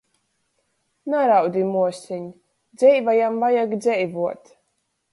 Naraudi, muoseņ, dzeivajam vajag dzeivuot!